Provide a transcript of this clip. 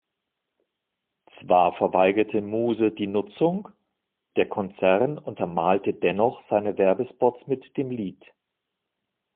Zwar verweigerte Muse die Nutzung, der Konzern untermalte dennoch seine Werbespots mit dem Lied.